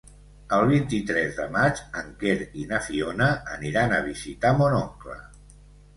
El vint-i-tres de maig en Quer i na Fiona aniran a visitar mon oncle.